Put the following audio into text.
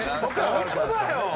本当だよ！